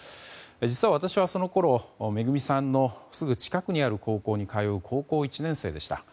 実は私はそのころめぐみさんのすぐ近くにある高校の高校１年生でした。